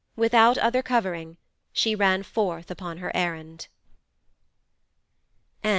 Without other covering, She ran forth upon her errand.